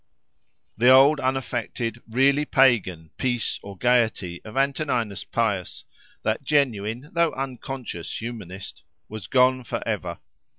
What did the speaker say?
The old, unaffected, really pagan, peace or gaiety, of Antoninus Pius—that genuine though unconscious humanist—was gone for ever.